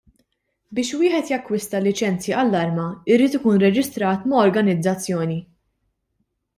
Biex wieħed jakkwista liċenzja għal arma jrid ikun irreġistrat ma' organizzazzjoni.